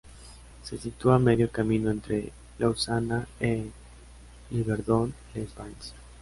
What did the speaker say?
Se sitúa a medio camino entre Lausana e Yverdon-les-Bains.